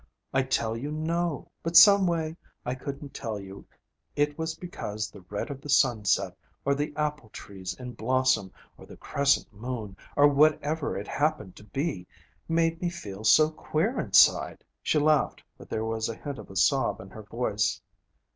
I'd tell you no. But some way I couldn't tell you it was because the red of the sunset or the apple trees in blossom or the crescent moon, or whatever it happened to be, made me feel so queer inside.' She laughed, but there was a hint of a sob in her voice.